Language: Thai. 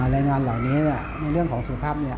แรงงานเหล่านี้ในเรื่องของสุขภาพ